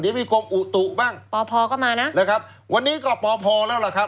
เดี๋ยวมีกรมอุตุบ้างปพก็มานะนะครับวันนี้ก็พอแล้วล่ะครับ